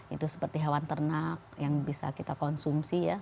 itu seperti hewan ternak yang bisa kita konsumsi ya